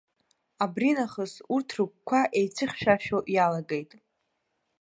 Абринахыс урҭ рыгәқәа еицәыхьшәашәо иалагеит.